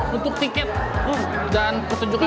nah untuk tiket dan pertunjukan itu